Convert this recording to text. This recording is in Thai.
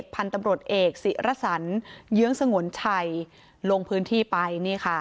พันธุ์ตำรวจเอกศิรสันเยื้องสงวนชัยลงพื้นที่ไป